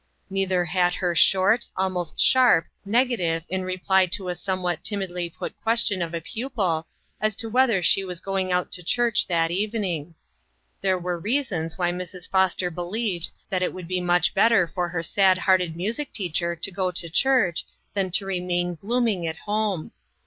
Neither had her short, almost sharp, negative in reply to a some what timidly put question of a pupil, as to whether she was going out to church that evening. There were reasons why Mrs. Fos ter believed that it would be much better for her sad hearted music teacher to go to church than to remain glooming at home.